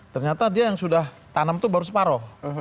ternyata dia yang sudah tanam itu baru separoh